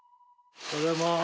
おはようございます。